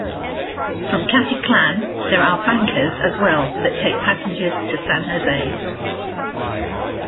From Caticlan, there are bancas as well that take passengers to San Jose.